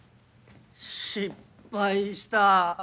失敗した。